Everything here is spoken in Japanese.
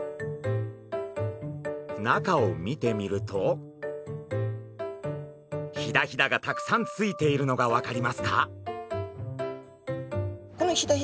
中を見てみるとヒダヒダがたくさんついているのが分かりますか？